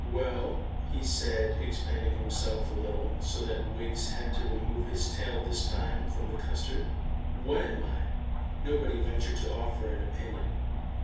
"Well," he said, expanding himself a little, so that Wiggs had to remove his tail this time from the custard, "what am I?" Nobody ventured to offer an opinion.